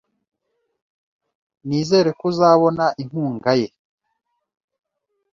Nizere ko uzabona inkunga ye .